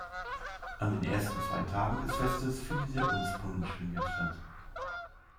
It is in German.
An den ersten zwei Tagen des Festes findet der Unspunnen-Schwinget statt.